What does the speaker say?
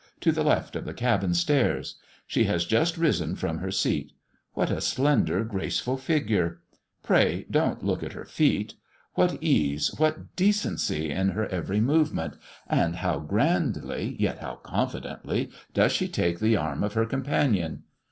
to the left of the cabin stairs. She has just risen from her seat. What a slender, graceful figure! Pray dont look at her feet. What ease, what decency in her every movement; and how grandly, yet how confidently, does she take the arm of her companion!